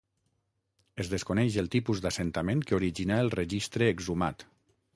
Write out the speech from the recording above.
Es desconeix el tipus d'assentament que originà el registre exhumat.